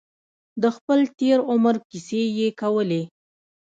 د خپل تېر عمر کیسې یې کولې.